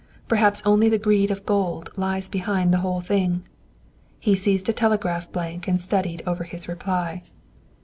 Perhaps only the greed of gold lies behind the whole thing. He seized a telegraph blank and studied over his reply.